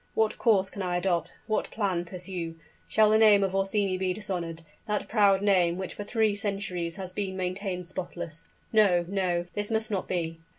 What course can I adopt? what plan pursue? Shall the name of Orsini be dishonored that proud name which for three centuries has been maintained spotless? No, no this must not be!"